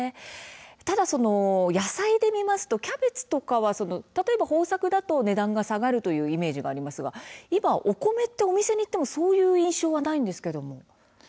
ただ野菜で見ますとキャベツとかは例えば豊作だと値段が下がるというイメージがありますが今、お米お店に行ってもそういう印象がないです。